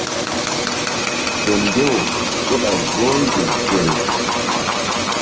Fe mbew kéɓay gboh nzuk gel.